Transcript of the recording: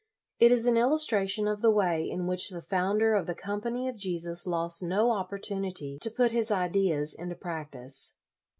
It is an illustration of the way in which the founder of the Com pany of Jesus lost no opportunity to put his ideas into practice.